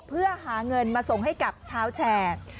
เพื่อหาเงินมาส่งให้กับเท้าแชร์